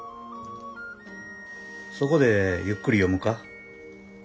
そこでゆっくり読むか？